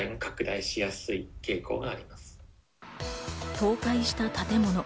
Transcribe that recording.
倒壊した建物。